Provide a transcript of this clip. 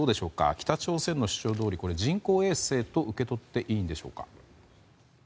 北朝鮮の主張どおりこれは人工衛星と受け取っていいんでしょうか。